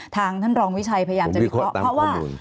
ทางท่านรองวิชัยพยายามจะวิเคราะห์